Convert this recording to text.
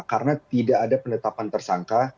karena tidak ada penetapan tersangka